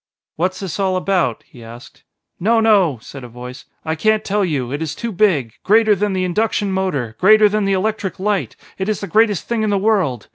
"What's this all about?" he asked. "No no!" said a voice; "I can't tell you it is too big greater than the induction motor greater than the electric light it is the greatest thing in the world.